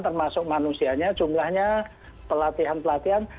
termasuk manusianya jumlahnya pelatihan pelatihan